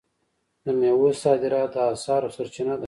د میوو صادرات د اسعارو سرچینه ده.